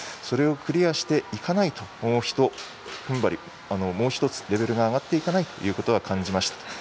それをクリアしていかないともう一段階レベルが上がっていかないと感じました。